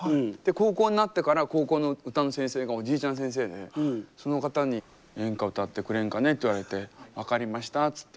高校になってから高校の歌の先生がおじいちゃん先生でその方に演歌歌ってくれんかねって言われて分かりましたっつって。